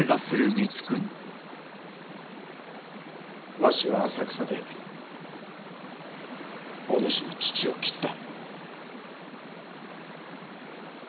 わしは浅草でお主の父を斬った。